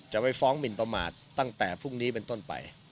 ไปฟ้องหมินประมาทตั้งแต่พรุ่งนี้เป็นต้นไป